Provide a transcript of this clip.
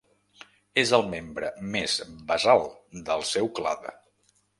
És el més membre més basal del seu clade.